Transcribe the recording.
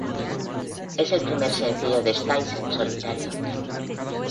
Es el primer sencillo de Styles en solitario.